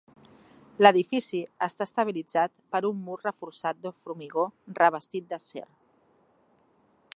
L'edifici està estabilitzat per un mur reforçat de formigó revestit d'acer.